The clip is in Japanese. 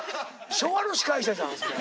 昭和の司会者じゃんそれ。